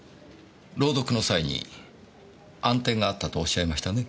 朗読の際に暗転があったとおっしゃいましたね。